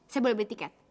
saya boleh beli tiket